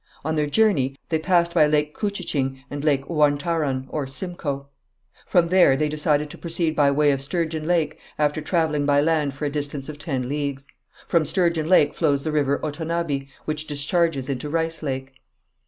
On their journey they passed by Lake Couchiching and Lake Ouantaron or Simcoe. From there they decided to proceed by way of Sturgeon Lake, after travelling by land for a distance of ten leagues. From Sturgeon Lake flows the river Otonabi, which discharges into Rice Lake.